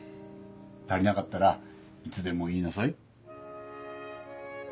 足りなかったらいつでも言いなさい。